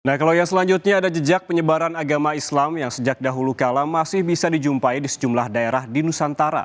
nah kalau yang selanjutnya ada jejak penyebaran agama islam yang sejak dahulu kala masih bisa dijumpai di sejumlah daerah di nusantara